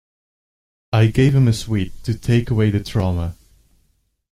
I gave him a sweet, to take away the trauma.